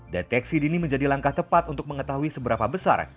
deteksi dini menjadi langkah tepat untuk mengetahui seberapa besar